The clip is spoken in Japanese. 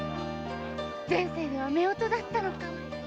前世では夫婦だったのかも！